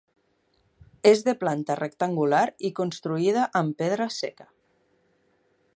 És de planta rectangular i construïda amb pedra seca.